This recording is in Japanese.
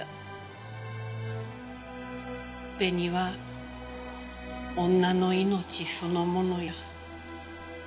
紅は女の命そのものや。